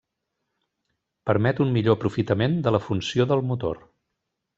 Permet un millor aprofitament de la funció del motor.